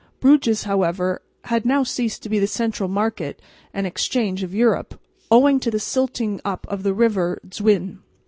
Bruges, however, had now ceased to be the central market and exchange of Europe, owing to the silting up of the river Zwijn.